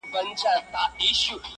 د زړه له درده شاعري کوومه ښه کوومه-